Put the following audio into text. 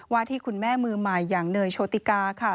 ที่คุณแม่มือใหม่อย่างเนยโชติกาค่ะ